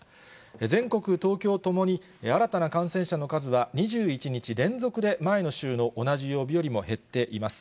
全国、東京ともに新たな感染者の数は２１日連続で前の週の同じ曜日よりも減っています。